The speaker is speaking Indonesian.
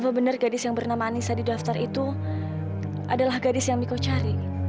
apa bener gadis yang bernama anissa di daftar itu adalah gadis yang miko cari